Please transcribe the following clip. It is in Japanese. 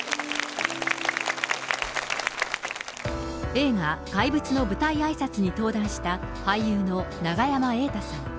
映画、怪物の舞台あいさつに登壇した、俳優の永山瑛太さん。